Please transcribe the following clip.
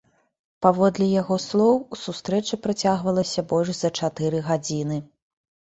Паводле яго слоў, сустрэча працягвалася больш за чатыры гадзіны.